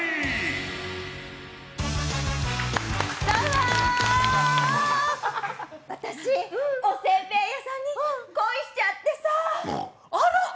どうも私おせんべい屋さんに恋しちゃってさあらっ